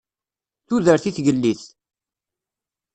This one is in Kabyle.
Tudert i tgellidt!